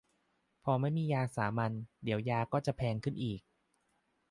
พอไม่มียาสามัญ เดี๋ยวยาก็จะแพงขึ้นอีก